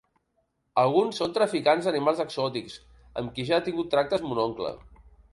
Alguns són traficants d'animals exòtics amb qui ja ha tingut tractes mon oncle.